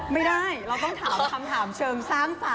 ไม่ได้เราต้องถามคำถามเชิงสร้างสรรค